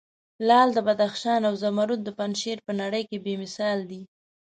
لعل د بدخشان او زمرود د پنجشیر په نړې کې بې مثال دي.